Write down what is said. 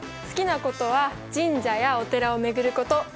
好きなことは神社やお寺を巡ること